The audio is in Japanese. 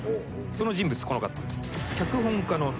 その人物この方。